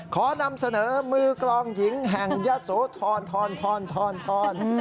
ขอนำเสนอมือกลองหญิงแห่งยะโสธรทร